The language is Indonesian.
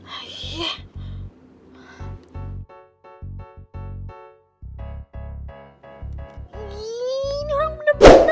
aduh ini orang bener bener ya